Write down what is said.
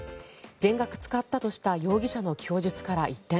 全額使ったとした容疑者の供述から一転